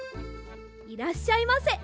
いらっしゃいませ。